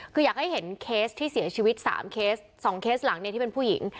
คืออยากให้เห็นเคสที่เสียชีวิต๓เคส๒เคสหลังเนี่ยที่เป็นผู้หญิง